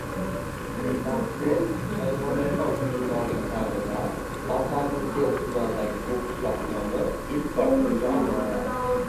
Dahbed - Shayboniyxon hukmronligi davrida Ofarinkent tumanidagi bu qishloq nomi ilk bor tilga olinadi.